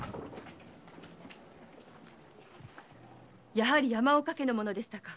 やはり山岡家の者でしたか。